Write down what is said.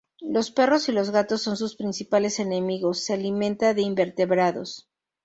Los perros y los gatos son sus principales enemigos, se alimenta de invertebrados.